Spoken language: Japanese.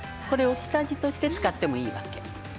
これを下地として使ってもいいわけ。